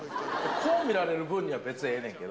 こう見られる分には別にええねんけど。